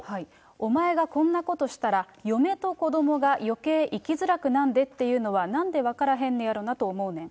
お前がこんなことしたら、嫁と子どもがよけい生きづらくなんでっていうのは、なんで分からへんねやろうなと思うねん。